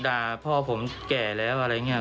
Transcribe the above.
ด่าพ่อผมแก่แล้วอะไรอย่างนี้